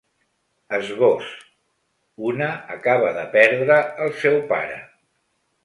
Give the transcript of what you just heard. Esbós: Una acaba de perdre el seu pare.